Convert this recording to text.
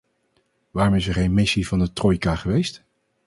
Waarom is er geen missie van de trojka geweest?